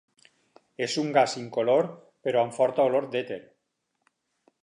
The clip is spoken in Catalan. És un gas incolor però amb forta olor d'èter.